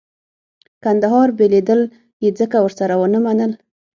کندهار بېلېدل یې ځکه ورسره ونه منل.